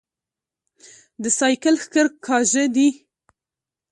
د سايکل ښکر کاژه دي